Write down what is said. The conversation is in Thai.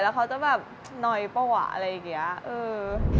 แล้วเขาจะแบบหน่อยเปล่าวะอะไรอย่างนี้